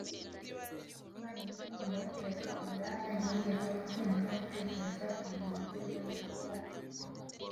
Maniriho nyuma yo kureka uburaya ntiyigeze ahwema no gutekereza ku buzima bwe bw’ejo hazaza